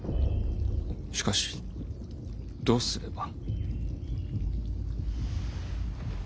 しかしどうすれば。